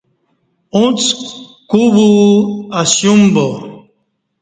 اݩڅ کو اسیوم با